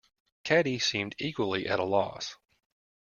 Caddy seemed equally at a loss.